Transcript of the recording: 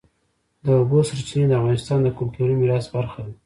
د اوبو سرچینې د افغانستان د کلتوري میراث برخه ده.